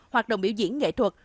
hoạt động biểu diễn nghệ thuật